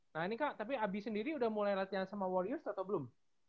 nah ini kak tapi abi sendiri udah mulai latihan sama war youth atau belum